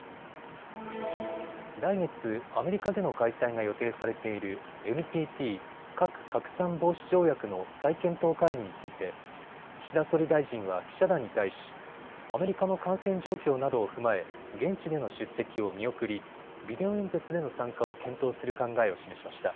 来月、アメリカでの開催が予定されているＮＰＴ・核拡散防止条約の再検討会議について岸田総理大臣は記者団に対しアメリカの感染状況などを踏まえ現地での出席を見送りビデオ演説での参加を検討する考えを示しました。